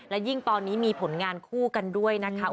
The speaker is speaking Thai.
และยิ่งตอนนี้มีผลงานคู่กันด้วยนะคะ